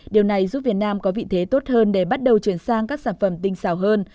điều này giúp việt nam có vị thế tốt hơn để bắt đầu chuyển sang các sản phẩm tinh xảo hơn